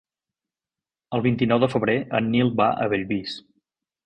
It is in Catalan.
El vint-i-nou de febrer en Nil va a Bellvís.